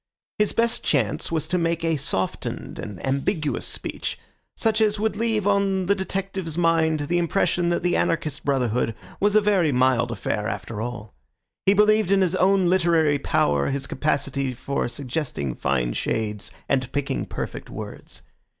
His best chance was to make a softened and ambiguous speech, such as would leave on the detective's mind the impression that the anarchist brotherhood was a very mild affair after all. He believed in his own literary power, his capacity for suggesting fine shades and picking perfect words.